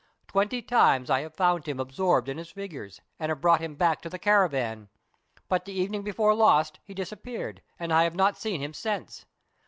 Twenty times I have found him absorbed in his figures, and have brought him back to the caravan. But the evening before last he disappeared, and I have not seen him since.